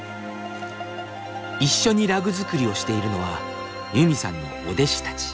一緒にラグ作りをしているのはユミさんのお弟子たち。